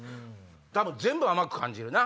多分全部甘く感じるなぁ。